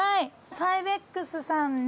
サイベックスさんね。